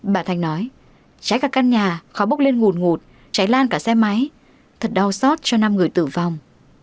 bà thanh nói cháy cả căn nhà khó bốc lên ngụt ngụt cháy lan cả xe máy thật đau xót cho năm người tử vong